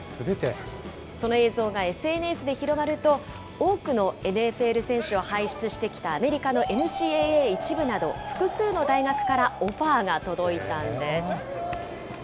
その映像がＳＮＳで広まると、多くのＮＦＬ選手を輩出してきたアメリカのＮＣＡＡ１部など、複数の大学からオファーが届いたんです。